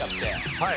はい。